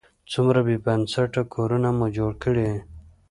څومره بې بنسټه کورونه مو جوړ کړي.